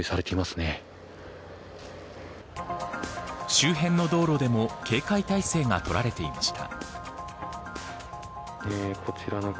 周辺の道路でも警戒態勢が取られていました。